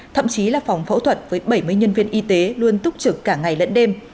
thậm chí là phòng phẫu thuật với bảy mươi nhân viên y tế luôn túc trực cả ngày lẫn đêm